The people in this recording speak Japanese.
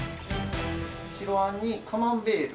白あんにカマンベール。